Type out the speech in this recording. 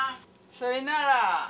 そいなら。